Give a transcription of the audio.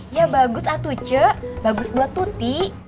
ya bagus atu cek bagus buat tuti